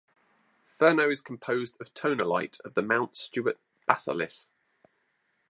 Fernow is composed of tonalite of the Mount Stuart batholith.